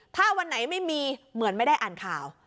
ถ้าวันไหนไม่มีเหมือนไม่ได้อ่านข่าว